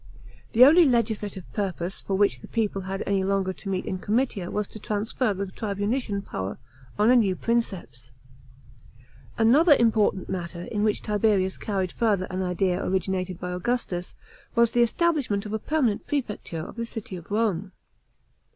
The only legislative purpose for which the people had any longer to meet in comitia was to confer the tribunician power on a new Princeps. § 2. Another important matter, in which Tiberius carried further an idea originated by Augustus, was the establishment of a perma nent Prefecture of the city of Rome.